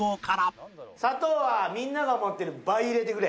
砂糖はみんなが思ってる倍入れてくれ。